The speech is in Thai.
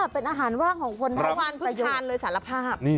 เป็นอาหารว่างของคนไทยวานคุณทานเลยสารภาพ